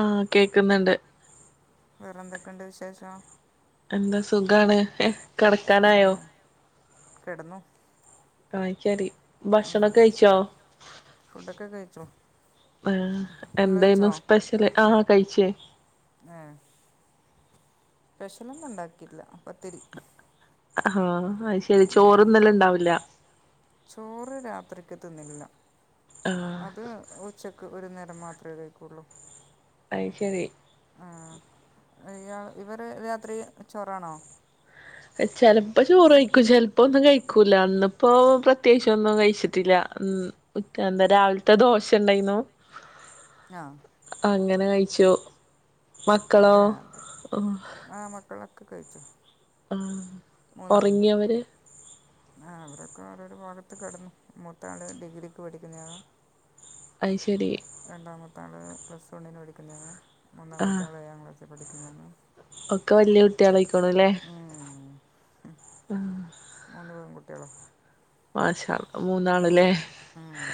ആഹ് കേക്ക്‌ന്ന്ണ്ട് വേറെന്തൊക്കെണ്ട് വിശേഷം? എന്താ സുഖാണ് കെടക്കാനായോ ന്നാന്ന് കെ ടന്നു. ആയ് ശരി ഭക്ഷണൊക്കെ കഴിച്ചോ? ഡ്ഡ് കഴിച്ചോ? ആഹ്‌ നിങ്ങൾ കഴിച്ചോ എന്തേന്നു സ്പെഷ്യല്? ആഹ്‌ കഴിച്ച്? ഏഹ്‌ സ്പെഷ്യലൊന്നുണ്ടാക്കില്ല പത്തിരി. അ ഹാ അയ് ശെരി, ചോറ്ന്നല്ണ്ടാവില്ല. ചോറ് രാത്രിക്ക് തിന്നലില്ല. ആഹ് അത് ഉച്ചക്ക്. ക്ക് ഒരു നേരം മാത്രേ കഴിക്കുള്ളൂ. അയ് ശെരി. ആ ഇയാൾ ഇവര് രാത്രി ചോറാണോ? ചെലപ്പോ ചോറ് കഴിക്കും ചിലപ്പോ ഒന്നും കഴിക്കൂല ഇന്ന്പ്പോ പ്രത്യേകിച്ച് ഒന്നും കഴിച്ചിട്ടില്ല ഇക്കാന്റെ രാവിലത്തെ ദോശ ഇണ്ടായിന്നു. ആഹ് അങ്ങനെ കഴിച്ചു. മക്കളോ അതെ അതെ ആഹ് ആഹ് മക്കളൊക്കെ കഴിച്ചു. ആഹ് ഒറങ്ങിയവര്? ആഹ് അവരൊക്കെ ഓരോരു ഭാഗത്ത് കിടന്നു മൂത്താള് ഡിഗ്രിക്ക് പഠിക്കുന്നതാണ്. അയ് ശരി. രണ്ടാമത്ത ആള് പ്ലസ് വണ്ണിന് പഠിക്കുന്നത മൂന്നാമത്തെ ആഹ് ആള് ഏഴാം ക്ലാസ്സിൽ പഠിക്കുന്നു. ഒക്കെ വല്യയ കുട്ടിയളായിക്കുണുല്ലേ? ഉം മൂന്ന് പെൺകുട്ട്യാളാ. മാഷാ അള്ളാ മൂന്നാളിലെ. ഉം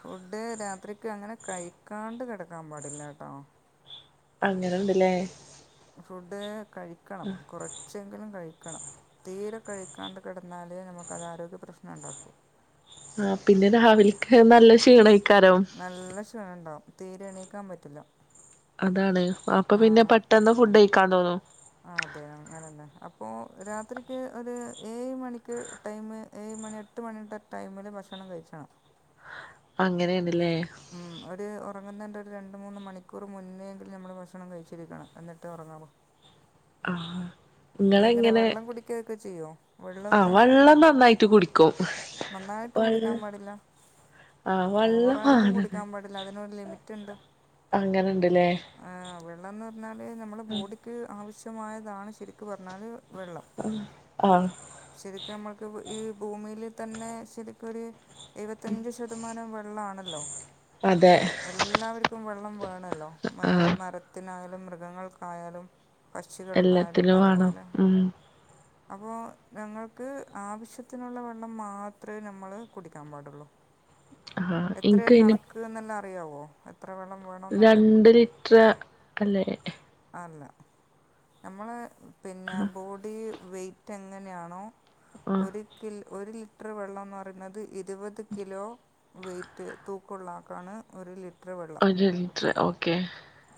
ഫുഡ് രാത്രിക്ക് അങ്ങനെ കഴിക്കാണ്ട് കെടക്കാൻ പാടില്ല ട്ടോ. അങ്ങനെണ്ട്ല്ലേ? ഫുഡ് കഴിക്കണം കുറ ച്ചെങ്കിലും കഴിക്കണം തീരെ കഴിക്കാണ്ട് കിടന്നാലേ നമുക്ക അത് ആാരോഗ്യ പ്രശ്നം ഉണ്ടാകും. ആഹ് പിന്നെ രാവിൽക്ക് നല്ല ക്ഷീണയ്ക്കാരം. നല്ല ക്ഷീണം ഇണ്ടാവും തീരെ എണീക്കാൻ പറ്റില്ല. അതാണ് അപ്പൊ പിന്നെ പെട്ടെന്ന് ഫുഡ് കഴിക്കാൻ തോന്നും ആഹ് അതെ അങ്ങനന്നെ അപ്പോ രാത്രിക്ക് ഒരു ഏഴ് മണിക്ക്. ടൈം ഏഴ് മണി എട്ട് മണിയുടെ ടൈമില് ഭക്ഷണം കഴിച. അങ്ങനെഎണ്ല്ലേ? ഉംഒരു ഉറങ്ങുന്നേണ്ടെ ഒരു രണ്ട് മൂന്ന് മണിക്കൂർ മുന്നേങ്കിൽ നമ്മള് ഭക്ഷണം കഴിച്ചിരിക്കണം എന്നിട്ട് ഉറങ്ങാവു. ആഹ് എങ്ങനെ വെള്ളം കുടിക്കയൊക്കെ ചെയ്യോ? വെള്ളൊക്കെ വെള്ളം നന്നായിട്ട് കുടിക്കും നന്നായിട്ട് വെള്ള കുടിക്കാൻ പാടില്ല. ആ വെള്ളം ഓവറായിട്ടും വാണത് കുടിക്കാം പാടില്ല അതിനൊരു ലിമിറ്റ് ഇണ്ട്. അങ്ങനെണ്ട്ല്ലേ? വെള്ളംന്ന് പറഞ്ഞാൽ നമ്മുടെ ബോഡിക്ക് ആവശ്യമായതാണ് ശരിക്കു പറഞ്ഞാൽ വെള്ളം. ആഹ് ശരിക്കും നമ്മൾക്ക് ഈ ഭൂമിൽ തന്നെ ശരിക്കൊരു. എഴുപത്തഞ്ച് ശതമാനം വെള്ളാണല്ലോ? അതെ. എല്ലാവർക്കും വെള്ളം വേണല്ലോ മ ആ മരത്തിനായാലും മൃഗങ്ങൾക്കായാലും. പക്ഷികൾക്കായാലും എല്ലാത്തിനും വാണം അതുപോലെ. ഉം അപ്പോൾ ഞങ്ങൾക്ക് ആവശ്യത്തിനുള്ള വെള്ളം മാത്രമേ നമ്മള് കുടിക്കാൻ പാടുള്ളൂ. ആ ഇൻക്ക് അയ്ന് എത്രയാകണക്ക് എന്നെല്ലാം അറിയാവോ? എത്ര വെള്ളം വേണം. രണ്ട് ലിറ്റർ അല്ലേ? അല്ല നമ്മളെ പിന്നെ ബോഡിക്ക് വെയിറ്റ് എങ്ങനെയാണോ ആ ഒരു കിൽ ഒരു ലിറ്റർ വെള്ളം എന്ന് പറയുന്നത് ഇരുപത് കിലോ വെയിറ്റ് തൂക്കുള്ളാക്കാണ് ഒരു ലിറ്റർ വെള്ളം ലിറ്റർ ഓക്കെ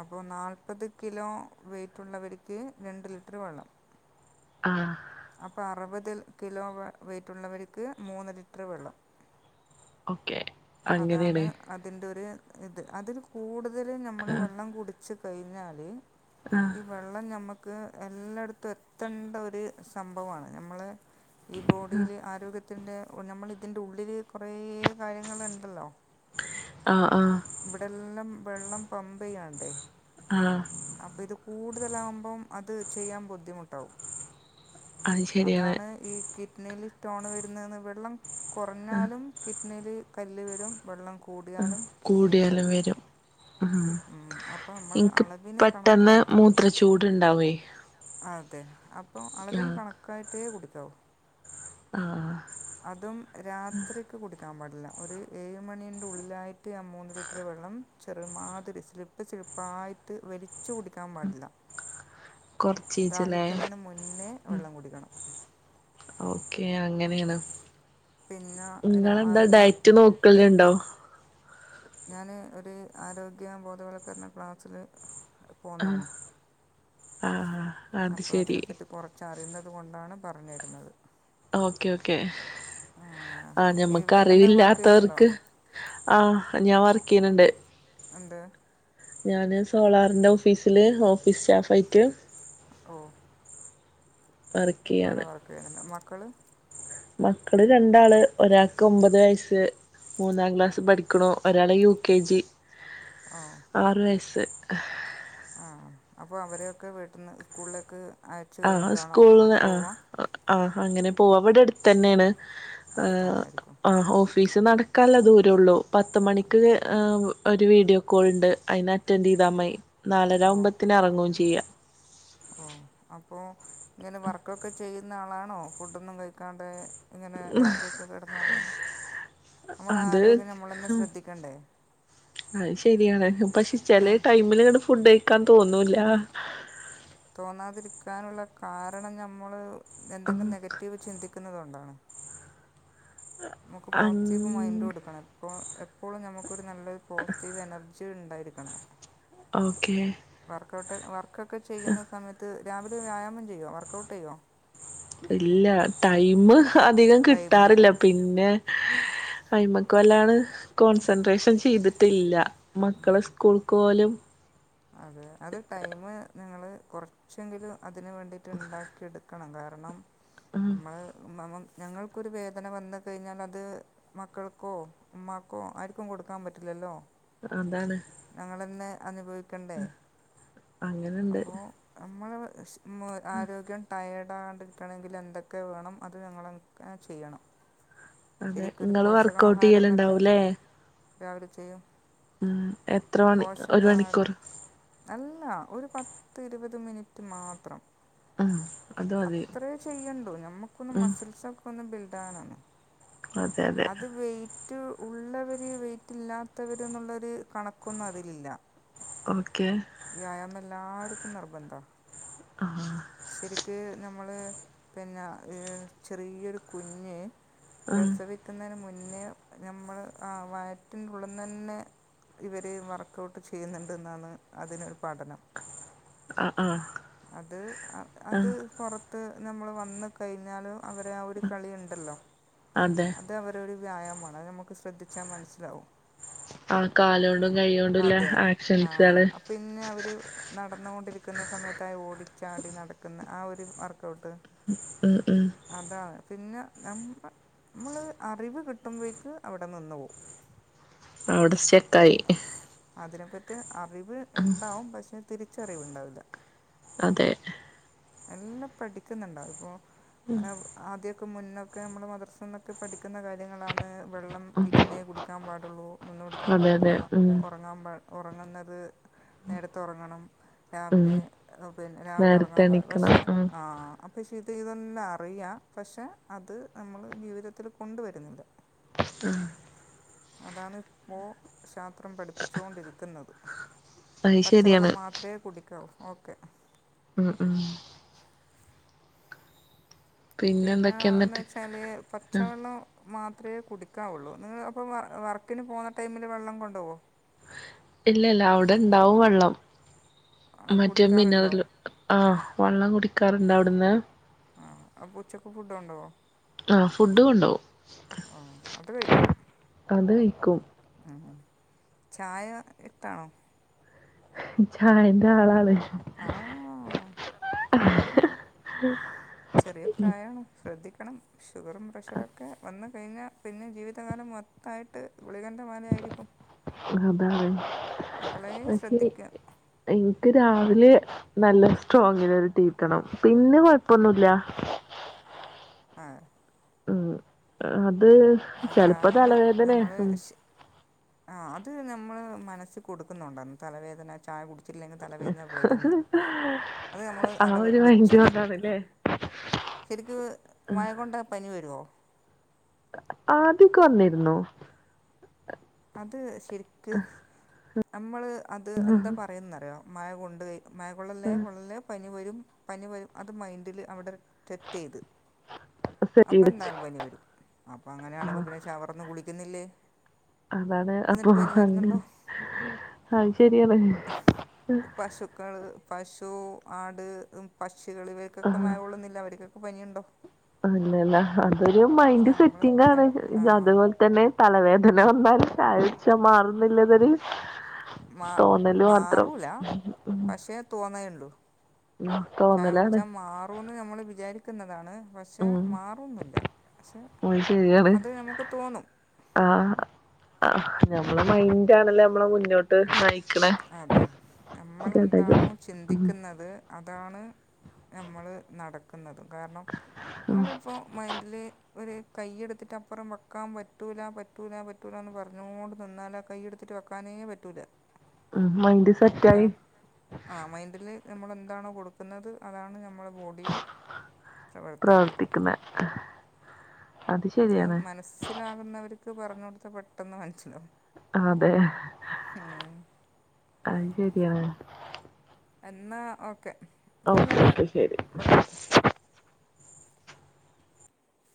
അപ്പോ നാല്പ്പത് കിലോ വെയിറ്റുള്ളവർക്ക് രണ്ട് ലിറ്റർ വെള്ളം ആഹ് അപ്പ അറുപത് കിലോ വെയിറ്റുള്ളവർക്ക് മൂന്ന് ലിറ്റർ വെള്ളം ഓക്കെ അതാണ് അങ്ങനെയാണ് അതിന്റെ ഒരു ഇത് അതിൽ കൂടുതൽ ഞമ്മള് ആഹ് വെള്ളം കുടി ച്ച് കഴിഞ്ഞാല് ആഹ് ഈ വെള്ളം ഞമ്മക്ക് എല്ലാടത്തും എത്തണ്ട ഒര് സംഭവാണ് നമ്മളെ ഈ ബോഡീല് ആരോഗ്യ ത്തിൻ്റെ നമ്മൾ തിൻ്റെ ഉള്ളില് കുറേ കാര്യങ്ങള്ണ്ടല്ലോ. ആഹ് ആഹ് ഇവിടെല്ലാം വെള്ളം പമ്പയ്യാണ്ടേ ആഹ് അപ്പൊ ഇത് കൂടുതലാവുമ്പം അത് ചെയ്യാൻ ബുദ്ധിമുട്ടാവും അത് ശരിയാണ് അതാണ് ഈ കിഡ്നിൽ സ്റ്റോണ് വരുന്നെന്ന് വെള്ളം കുറഞ്ഞാലും കിഡ്നില് കല്ല് വരും വെള്ളം കൂടിയാലും കിഡ്നില് കല്ല് വരും. ഉം അപ്പം മ്മള് ഇൻക്ക് അള പെട്ടെന്ന് മൂത്രച്ചൂട്ണ്ടാവേയ് അതെ അപ്പം അളവിന് ആഹ് കണക്കായിട്ടേ കുടിക്കാവൂ ആഹ് അതും രാത്രിക് ക്ക് കുടിക്കാൻ പാടില്ല ഒരു ഏഴ് മണിന്റെ ഉള്ളിലായിട്ട് ആ മൂന്ന് ലിറ്റർ വെള്ളം ചെറുമാതിരി സ്ളിപ്പ്‌, സ്ളിപ്പ്‌ പായിട്ട് വലിച്ചു കുടിക്കാൻ പാടില്ല കൊറച്ചീച്ചലേ ദാഹിക്കുന്നതിന് മുന്നേ വെള്ളം കുടിക്കണം ഓക്കേ അങ്ങനേണോ പിന്നെ ങ്ങളെന്താ രാവിലെ ഡയറ്റ് നോക്കലുണ്ടോ? ഞാന് ഒരു ആരോഗ്യ ബോധവൽക്കരണ ക്ലാസ്സില് പോന്നേണ് ആഹ് അത് അപ്പൊ ശരി അതിനെപ്പറ്റി പൊർ ച്ചറിയുന്നത് കൊണ്ടാണ് പറഞ്ഞരുന്നത് ഓക്കേ ഓക്കേ ആ ഈ ഞമ്മക്ക് എന്തെങ്കിലും വർക്ക് ചെയ്യുന്നുണ്ടോ അറിവില്ലാത്തവർക്ക് ആ ഞാൻ വർക്കയ്യ്ണ് ണ്ട് എന്ത്‌ ഞാന് സോളാർന്റെ ഓഫീസില് ഓഫീസ് സ്റ്റാഫ് ആയ്റ്റ് ഓ വർക്ക് അവ്ടെ ചെയ്യാണ് വർക്ക് ചെയ്യുന്നുണ്ട് മക്കള് മക്കള് രണ്ടാള് ഒരാൾക്ക് ഒമ്പത് വയസ്സ് മൂന്നാം ക്ലാസ്സ് പഠിക്ക്ണു. ഒരാള് യു കെ ജി ഓ ആറ് വയസ്സ് ആ അപ്പോ അവരെയൊക്കെ വീട്ടിന്ന് സ്കൂളിലേക്ക് അയച്ചു ആ കഴിഞ്ഞിട്ടാണോ സ്കൂളിന്ന് ആ പോവ ആ അങ്ങനെ പോവ വ്ടട്ത്തന്നേണ് അവിടെ തന്നെ ആയിരിക്കും ആ ഓഫ്‌ ഓഫീസ് നടക്കാള്ള ദൂരേള്ളൂ പത്തു മണിക്ക് ആ ഒരു വീഡിയോ കോൾണ്ട് അയ്ന് അറ്റൻഡ് ചെയ്താൽ മയി. ഓ നാലരാവുമ്പത്തിന് എറങ്ങും ചെയ്യ ഓ അപ്പോ ങ്ങനെ വർക്കൊക്കെ ചെയ്യുന്ന ആളാണോ ഫുഡൊന്നും കഴിക്കാണ്ടെ ങ്ങനെ രാത്രിയൊക്കെ കിടന്നുറങ്ങുന്നത് ഞമ്മള അത് ആരോഗ്യം നമ്മളന്നെ ശ്രദ്ധിക്കണ്ടേ അഅ് ശരിയാണ് പക്ഷെ ഏ, ചെലെ ടൈമില് ങ്ങണ്ട് ഫുഡഴിക്കാൻ തോന്നൂല്ല തോന്നാതിരിക്കാനുള്ള കാരണം ഞമ്മൾ എന്തെങ്കിലും നെഗറ്റീവ് ചിന്തിക്കുന്നുന്നത് കൊണ്ടാണ് നമുക്ക് പോസിറ്റീവ് മൈൻഡ് അങ് കൊടുക്കണം അപ്പോ എപ്പോഴും നമുക്കൊരു നല്ലൊരു പോസിറ്റീവ് എനർജി ഉണ്ടായിരിക്കണം ഓക്കേ വർക്കഔട്ട് വർക്ക്ക്കെ ചെയ്യുന്ന സമയത്ത് രാവിലെ വ്യാഴാമം ചെയ്യോ വർക്ക്ഔട്ട് ചെയ്യോ? ഇല്ല ടൈമ് അധികം ടൈമില്ല കിട്ടാറില്ല പിന്നെ അയ്മക്ക് വല്ലാണ് കോൺസെൻട്രേഷൻ ചെയ്തിട്ടില്ല മക്കളെ സ്കൂൾക്ക് പോലും അതെ അത് ടൈം നിങ്ങള് കുറച്ചെങ്കിലും അതിന് വേണ്ടിട്ട് ഉണ്ടാക്കിട് ക്കണം കാരണം നമ്മള് ഞങ്ങൾക്കൊരു വേദന വന്ന് കഴിഞ്ഞാൽ അത് മക്കൾക്കോ ഉമ്മാക്കോ ആര്ക്കും കൊടുക്കാൻ പറ്റില്ലല്ലോ അതാണ് ഞങ്ങൾ ഇന്ന് അനുഭവിക്കണ്ടേ അങ്ങനെണ്ട് അപ്പോ നമ്മൾ. ആരോഗ്യം, ടയേഡ് ആകാ ണ്ടിരിക്കണമെങ്കില് എന്തൊക്കെ വേണം അത് ഞങ്ങളെക്കെ ചെയ്യണം. അതെ ശരിക്കൊരു ഇങ്ങള് വർക്കഔട്ട് പോഷകാഹാരം എന്നൊക്കെ ചെയ്യലുണ്ടാവൂല്ലേ രാവിലെ ചെയ്യും. ഉം എത്ര മണി ഒരു മണിക്കൂർ. പോഷകാഹാരം അല്ല ഒരു പത്ത് ഇരുപത് മിനിറ്റ് മാത്രം. ഉം അത് മതി അത്രേ ചെയ്യണ്ടു ഞമ്മുക്കൊന്ന് ഉം മസിൽസൊക്കെ ഒന്ന് ബില്ഡ് ആകാനാണ്. അതെ അതെ അത് വെ യിറ്റ് ഉള്ളവര് വെയിറ്റ് ഇല്ലാത്തവര് എന്നുള്ളൊരു കണക്കൊന്നും അതിലില്ല. ഓക്കെ. വ്യായാമം എല്ലാവർക്കും നിർബന്ധാ. ആഹ്. ശരിക്ക് ഞമ്മള് പിന്നെ ചെറിയൊരു കുഞ്ഞ്. ഉം പ്രസവിക്കുന്നതിന് മുന്നേ ഞമ്മള് ആഹ് വയറ്റിനുള്ളിന്ന് തന്നെ. ഇവര് വർക്ക്ഔട്ട് ചെയ്യുന്നുണ്ടെന്നാണ് അതിനൊരു പഠനം. ആഹ്. അത് അത് ആഹ് പുറത്ത് നമ്മള് വന്ന് കഴിഞ്ഞാലു. അവരെ ആഹ് ഒരു കളി ഉണ്ടല്ലോ. അതെ അത് അവരെ ഒരു വ്യായാമമാണ് അത് നമുക്ക് ശ്രദ്ധിച്ചാൽ മനസ്സിലാവും. ആഹ് കാലു കൊണ്ടും കൈ കൊണ്ടും ഉള്ള അതെ ആ ആക്ഷൻസുകള്. അ പിന്നെ അവര് നടന്നുകൊണ്ടിരിക്കുന്ന സമയത്തായി ഓടിച്ചു. ചാടി നടക്കുന്ന ആഹ് ഒരു വർക്ക് ഔട്ട്. ഉം ഉം. അതാണ് പിന്നെ നമ്മ നമ്മൾ അറിവ് കിട്ടുമ്പോഴേക്ക് അവിടെ നിന്ന് പോവും. അവിടെ സ്റ്റെക്കായി അതിനെപ്പറ്റി അറിവ് ഉണ്ടാവും പക്ഷെ. തിരിച്ചറിവുണ്ടാവില്ല. അതെ. എല്ലാം പഠിക്കുന്നുണ്ടാവും ഇപ്പോ. ആദ്യമൊക്കെ മുന്നൊക്കെ നമ്മള് മ മദ്രസ്സിന്നൊക്കെ പഠിക്കുന്ന കാര്യങ്ങളാന്ന് വെള്ളം. ഇരുന്നേ കുടിക്കാൻ പാടുള്ളൂ നിന്ന് കുടിക്കാൻ അതെ പാടില്ല അതെ ഉം ഉറങ്ങാൻ പാടി ഉറങ്ങുന്നത്. നേരത്ത് ഉറങ്ങണം ഉം രാവിലെ പിന്നെ രാവിലെ നേരത്തെ ഉറങ്ങാൻ എണീക്കണം പക്ഷെ ഉം ആഹ്. പക്ഷെ ഇത് ഇതൊല്ലാം അറിയാം പക്ഷെ അത് നമ്മള് ജീവിതത്തിൽ കൊണ്ടുവരുന്നില്ല. ആഹ്. അതാണ് ഇപ്പോൾ. ശാസ്ത്രം പഠിപ്പിച്ചുകൊണ്ടിരിക്കുന്നത് അത് പച്ചവെള്ളം ശരിയാണ് മാത്രമേ കുടി ക്കാവും ഓക്കെ. ഉം ഉം. പിന്നെ എന്തൊക്കെയാ എന്ന് എന്നിട്ട് വെച്ചാല് ആ പച്ചവെള്ളം. മാത്രമേ കുടിക്കാവുള്ളൂ നിങ്ങൾ അപ്പോൾ വ വർക്കിന് പോകുന്ന ടൈമിൽ വെള്ളം കൊണ്ടു പോവോ? ഇല്ല ഇല്ല അവിടെ ഇണ്ടാവും വെള്ളം. മറ്റേ കുടിക്കാറുണ്ടോ മിനറൽ ആഹ് വെള്ളം കുടിക്കാറുണ്ട് അവിടുന്ന്. ആഹ് അപ്പ ഉച്ചക്ക് ഫുഡ്ഡ് കൊണ്ടുപോവോ? ആഹ് ഫുഡ്ഡ് കൊണ്ട് പോവും ആ അത് കഴിക്കും അത് കഴിക്കും. ഉം ചായ എത്താണോ? ചായേന്റെആളാണ്. ആഹ് ശ്രെദ്ധിക്കണം. ചെറിയ പ്രായാണ് ശ്രദ്ധിക്കണം ഷുഗറും പ്രഷറൊക്കെ വന്ന് കഴിഞ്ഞാ പിന്നെ ജീവിതകാലം മൊ ത്തായിട്ട് ഗുളികേന്റെ മേലെയായിരിക്കും. അതാണ് പക്ഷെ. ശ്രദ്ധിക്കുക ഇനിക്ക് രാവി‌ലെ നല്ല സ്ട്രോങിലൊരു റ്റീ കിട്ടണം പിന്നെ കൊയപ്പൊന്നു ഇല്ല. ആഹ് ഉം അത് ആ ചെലപ്പ ചായ തലവേദനേക്കും ആഹ് അത് നമ്മള് മനസ്സ് കൊട്ക്കുന്നൊണ്ടാന്ന് തലവേദന ചായ കുട് ടിച്ചില്ലെങ്കി തലവേദന വരുംന്ന് അത് നമ്മള് ആ ഔടെ ഒരു മൈൻഡ് വെച്ചുപോയി കൊണ്ടാണല്ലേ ശരിക്ക് മഴ കൊണ്ടാ പനി വരോ ആദ്യൊക്കെ വന്നിര്ന്നു അത് ശെരിക്ക് അമ്മള് അത് എന്താ പറയന്നറിയോ മഴ കൊണ്ട്കയ് മഴ കൊള്ളല്ലേ കൊള്ളല്ലേ പനി വരും പനി വരും അത് മൈൻഡില് അവിടെ സെറ്റെയ്ത് സെറ്റ് വെച്ചു അപ്പെന്തായാലും പനി വരും ആ അപ്പങ്ങനെയാണെങ്കി പിന്നെ ശവറ്ന്ന് കുളിക്ക്ന്നില്ലേ അതാണ് അപ്പൊ അല്ല അഹ് ശെര്യാണ് പശുക്കള് പശു ആട് പക്ഷികള് ആ ഇവർക്കൊക്കെ മഴ കൊള്ളുന്നില്ലെ അവർക്കൊക്കെ പനിയൊണ്ടോ അല്ലല്ല അതൊരു പക്ഷെ മൈൻഡ് നമ്മൾ സെറ്റിങ്ങാണ് അത് കൊ തന്നെ തലവേദന വന്നാൽചായ കുട്ചാൽ മാറുംന്നില്ലതൊര് മാ മാറൂല പക്ഷേ തോന്നേഒള്ളൂ ഉം ചായ തോന്നലാണ് കുടിച്ചാ മാറൂന്ന് നമ്മള് വിചാരിക്ക്ന്നതാണ് പക്ഷേ ഉം മാറൊന്നുല്ല പക്ഷെ അത് നമുക്ക് തോന്നും ആഹ് ആഹ് നമ്മളെ മൈൻഡാണല്ലോ നമ്മളെ മുന്നോട്ട് നയി അതെ നമ്മളെന്താണോ ഉം ചിന്തിക്ക്ന്നത് അതാണ് നമ്മള് നടക്ക്ന്നത് കാര്ണം നമ്മളിപ്പൊ മൈൻഡില് ഒരു കയ്യെട്ത്തിട്ടപ്പുറം വെക്കാൻ പറ്റൂല പറ്റൂല പറ്റൂലാന്ന് പറഞ്ഞോണ്ട് നിന്നാലാ കയ്യെട്ത്തിട്ട് വെക്കാനേ പറ്റൂല ഉം മൈൻഡ് അതാ സെറ്റായി ആഹ് മൈൻഡ്ല് നമ്മളെന്താണോ കൊടുക്ക്ന്നത് അതാണ് നമ്മളെ ബോഡി ടിയും പ്രവർത്തിക്ക [unintelligible] അത് ഇത് ശരിയാണ് മനസ്സിലാകുന്നവർക്ക് പറഞ്ഞു കൊടുത്ത പെട്ടെന്ന് മനസ്സിലാവും അതെ ഉം. അഹ് ശെര്യാണ് എന്നാ ഓക്കെ ന്നാ ഓക്കെ ഞാൻ ഓക്കെ ശരി വെക്കാ